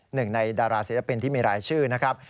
หนึ่งในดาราศิลปินที่มีรายชื่อนะครับ